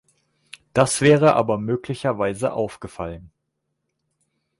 Das wäre aber möglicherweise aufgefallen.